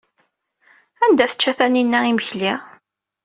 Anda ay tečča Taninna imekli?